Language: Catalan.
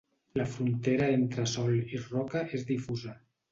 La frontera entre sòl i roca és difusa.